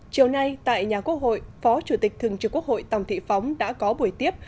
chiều nay tại nhà quốc hội phó chủ tịch thường trực quốc hội tòng thị phóng đã có buổi tiếp